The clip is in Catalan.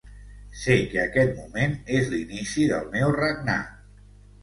Sé que aquest moment és l'inici del meu regnat.